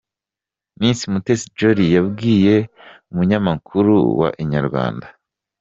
Miss Mutesi Jolly yabwiye umunyamakuru wa Inyarwanda.